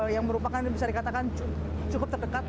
yang merupakan bisa dikatakan cukup terdekat